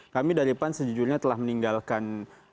kami dari pan sejujurnya telah meninggalkan